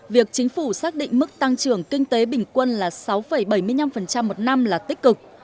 việc chính phủ xác định mức tăng trưởng kinh tế bình quân là sáu bảy mươi năm một năm là tích cực